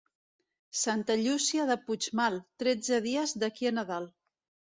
Santa Llúcia de Puigmal, tretze dies d'aquí a Nadal.